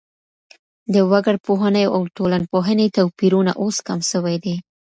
د وګړپوهني او ټولنپوهني توپيرونه اوس کم سوي دي.